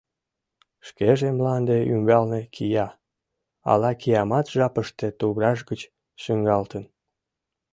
Шкеже мланде ӱмбалне кия — ала киямат жапыште тувраш гыч шуҥгалтын.